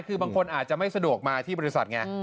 คือบางคนอาจจะไม่สะดวกมาที่บริษัทไง